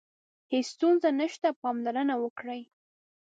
هیڅ ستونزه نشته، پاملرنه وکړئ.